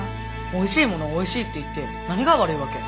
おいしいものをおいしいって言って何が悪いわけ？